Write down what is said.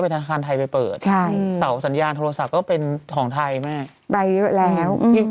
ก็เป็นธนาคารไทยไปเปิดใช่หรือของไทยแม่ไปเยอะแล้ว